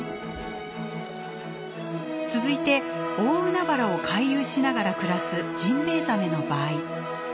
続いて大海原を回遊しながら暮らすジンベエザメの場合。